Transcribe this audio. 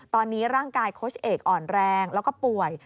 ตอนนี้ร่างกายโค้ชเอกอ่อนแรงแล้วก็ป่วย